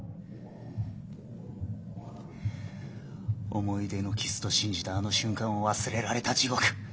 思い出のキスと信じたあの瞬間を忘れられた地獄。